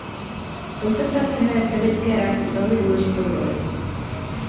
Koncentrace hraje v chemické reakci velmi důležitou roli.